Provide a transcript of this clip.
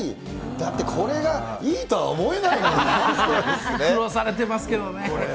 だって、これがいいとは思えない苦労されてますけどね。